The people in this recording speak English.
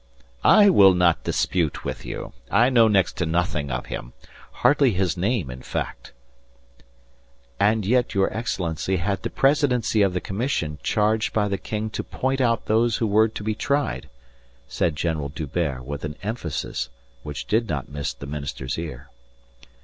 "I will not dispute with you. I know next to nothing of him. Hardly his name in fact." "And yet your Excellency had the presidency of the commission charged by the king to point out those who were to be tried," said General D'Hubert with an emphasis which did not miss the minister's ear.